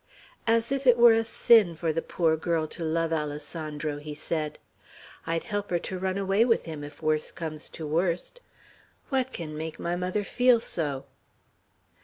"As if it were a sin for the poor girl to love Alessandro!" he said. "I'd help her to run away with him, if worse comes to worst. What can make my mother feel so!"